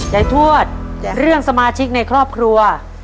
ทวดเรื่องสมาชิกในครอบครัว